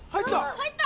入った！